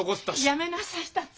やめなさい達也。